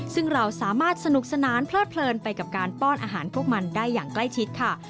ซึ่งเราสามารถสนุกสนานเพลิดเพลินไปกับการป้อนอาหารพวกมันได้อย่างใกล้ชิดค่ะ